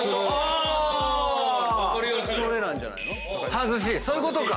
はずしそういうことか！